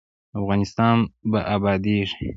افغانستان به ابادیږي